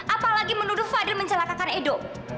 apalagi menuduh fadil mencelakakan edo